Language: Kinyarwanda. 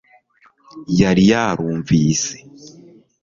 yari yarumvise